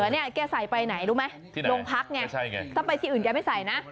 แล้วเนี่ยแกใส่ไปไหนรู้ไหมโรงพักไงถ้าไปที่อื่นแกไม่ใส่นะ